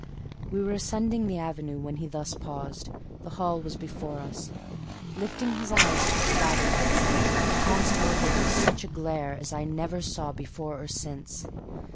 We were ascending the avenue when he thus paused; the hall was before us. Lifting his eye to its battlements, he cast over them a glare such as I never saw before or since.